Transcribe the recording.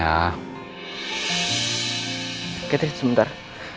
oke tri sebentar